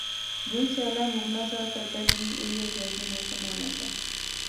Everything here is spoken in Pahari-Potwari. جدوں سیالا مُکنا سا تہ تد وی ایہھے جیا کی موسم ہونا سا